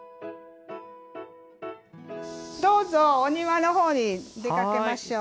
どうぞお庭の方に出かけましょう。